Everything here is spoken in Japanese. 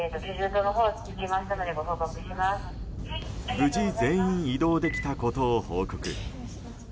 無事、全員移動できたことを報告。